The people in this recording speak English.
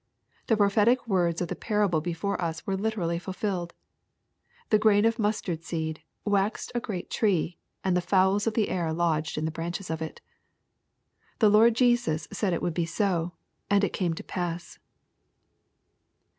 The prophetic words oi* the parable before us were literally fulfilled. The grain of mustard seed " waxed a great tree ; and the fowls of the air lodged in the branches of it." The Lord Jesus said it would be so. And so it came to pass.